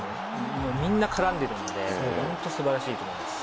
みんな絡んでいるので本当、素晴らしいと思います。